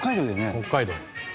北海道。